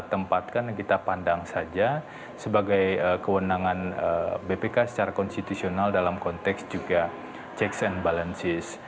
tempatkan dan kita pandang saja sebagai kewenangan bpk secara konstitusional dalam konteks juga checks and balances